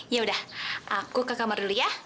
ya udah aku ke kamar dulu ya